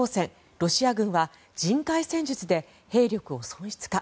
ロシア軍は人海戦術で兵力を損失か。